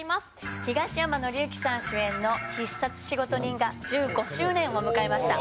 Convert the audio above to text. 東山紀之さん主演の『必殺仕事人』が１５周年を迎えました。